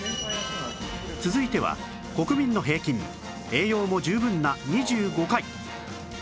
続いては国民の平均栄養も十分な２５回